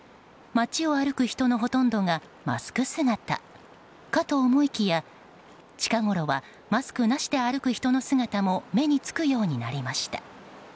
街を歩く人のほとんどがマスク姿かと思いきや近ごろはマスクなしで歩く人の姿も目につくようになりました。